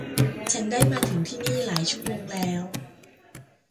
ฉันได้มาถึงที่นี่หลายชั่วโมงแล้ว